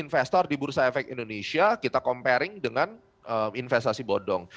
investor di bursa efek indonesia kita comparing dengan investasi bodong